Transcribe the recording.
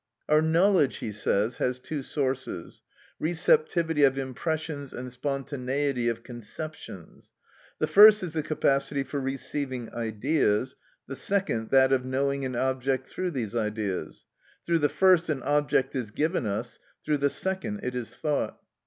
"Our knowledge," he says, "has two sources, receptivity of impressions and spontaneity of conceptions: the first is the capacity for receiving ideas, the second that of knowing an object through these ideas: through the first an object is given us, through the second it is thought."